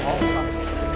nggak masalah bohong